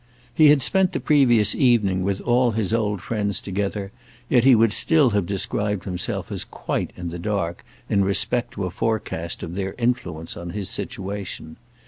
He had spent the previous evening with all his old friends together yet he would still have described himself as quite in the dark in respect to a forecast of their influence on his situation.